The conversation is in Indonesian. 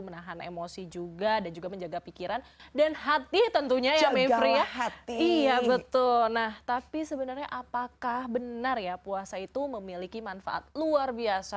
nah tapi sebenarnya apakah benar ya puasa itu memiliki manfaat luar biasa